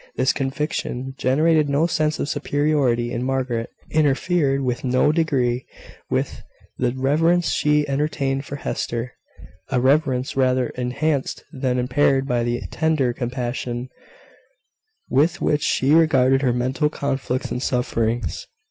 This conviction generated no sense of superiority in Margaret interfered in no degree with the reverence she entertained for Hester, a reverence rather enhanced than impaired by the tender compassion, with which she regarded her mental conflicts and sufferings.